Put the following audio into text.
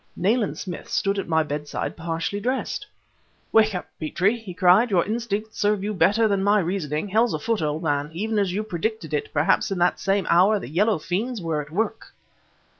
Nayland Smith stood at my bedside, partially dressed! "Wake up, Petrie!" he cried; "you instincts serve you better than my reasoning. Hell's afoot, old man! Even as you predicted it, perhaps in that same hour, the yellow fiends were at work!"